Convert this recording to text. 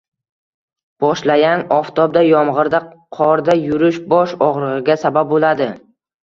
Boshyalang oftobda, yomg‘irda, qorda yurish bosh og'rig'iga sabab bo'ladi.